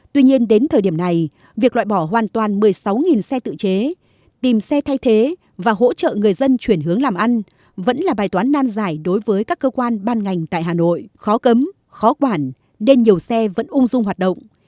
tuy nhiên đến thời điểm này việc loại bỏ hoàn toàn một mươi sáu xe tự chế tìm xe thay thế và hỗ trợ người dân chuyển hướng làm ăn vẫn là bài toán nan giải đối với các cơ quan ban ngành tại hà nội khó cấm khó quản nên nhiều xe vẫn ung dung hoạt động